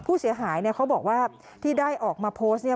ผู้เสียหายเนี่ยเขาบอกว่าที่ได้ออกมาโพสต์เนี่ย